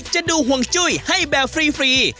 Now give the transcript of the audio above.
จะดูห่วงจุ้ยให้แบบฟรี